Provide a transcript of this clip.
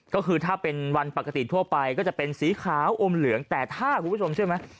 ก็คือถ้าเป็นวันปกติทั่วไปก็จะเป็นสีขาวอมเหลืองแต่ถ้าคุณผู้ชมเชื่อไหม